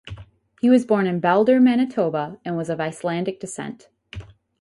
He was born in Baldur, Manitoba and was of Icelandic descent.